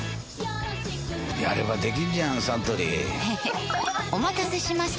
やればできんじゃんサントリーへへっお待たせしました！